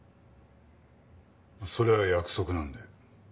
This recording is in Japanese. それは約束なんで。